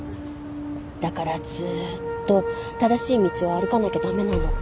だからずーっと正しい道を歩かなきゃ駄目なの